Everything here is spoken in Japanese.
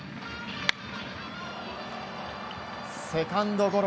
セカンドゴロ。